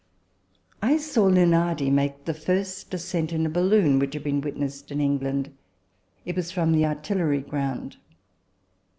I saw Lunardi make the first ascent in a balloon which had been witnessed in England. It was from the Artillery Ground.